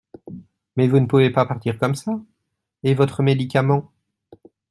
Mais vous ne pouvez pas partir comme ça ! Et votre médicament ?